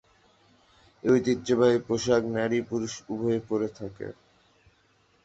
এই ঐতিহ্যবাহী পোশাক নারী-পুরুষ উভয়েই পড়ে থাকেন।